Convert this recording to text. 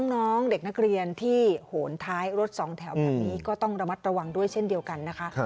น้องเด็กนักเรียนที่โหนท้ายรถสองแถวแบบนี้ก็ต้องระมัดระวังด้วยเช่นเดียวกันนะคะ